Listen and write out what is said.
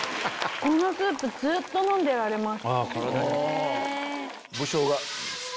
このスープずっと飲んでられます。